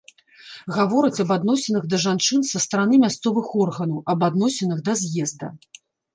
Гавораць аб адносінах да жанчын са стараны мясцовых органаў, аб адносінах да з'езда.